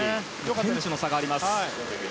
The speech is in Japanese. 天地の差があります。